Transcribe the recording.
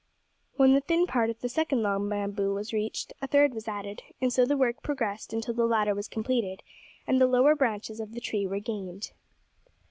When the thin part of the second long bamboo was reached, a third was added; and so the work progressed until the ladder was completed, and the lower branches of the tree were gained.